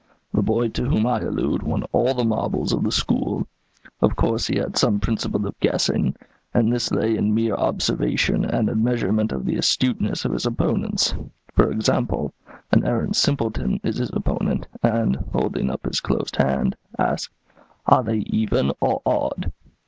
The boy to whom I allude won all the marbles of the school. Of course he had some principle of guessing; and this lay in mere observation and admeasurement of the astuteness of his opponents. For example, an arrant simpleton is his opponent, and, holding up his closed hand, asks, 'Are they even or odd?'